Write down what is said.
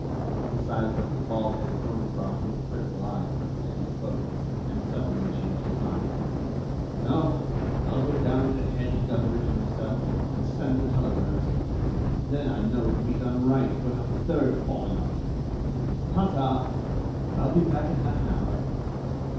He sized up the bald headed Thorneycroft with a critical eye, as he spoke, and suddenly changed his mind. "No. I'll go down to Hedge gutheridge myself and send the telegrams. Then I know it'll be done right, without a third balling up. Ta, ta! I'll be back in half an hour."